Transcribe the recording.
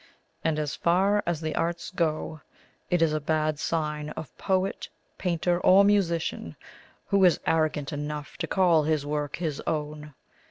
And as far as the arts go, it is a bad sign of poet, painter, or musician, who is arrogant enough to call his work his own.